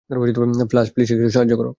Flush, please, একটু সাহায্য করো।